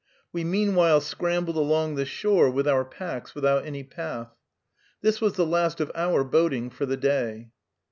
We meanwhile scrambled along the shore with our packs, without any path. This was the last of our boating for the day.